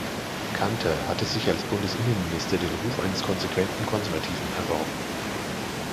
Kanther hatte sich als Bundesinnenminister den Ruf eines konsequenten Konservativen erworben.